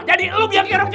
jadi lu biang kaya rokeh nih